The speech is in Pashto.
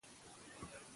دا ځای به تل خوندي وي.